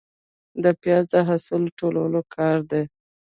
د پیاز د حاصل ټولول کله دي؟